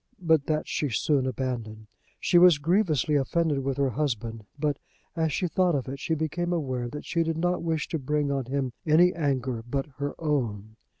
But that she soon abandoned. She was grievously offended with her husband; but, as she thought of it, she became aware that she did not wish to bring on him any anger but her own.